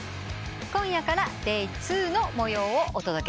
今夜からＤＡＹ２の模様をお届けします。